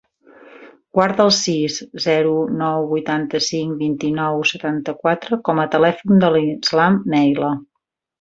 Guarda el sis, zero, nou, vuitanta-cinc, vint-i-nou, setanta-quatre com a telèfon de l'Islam Neila.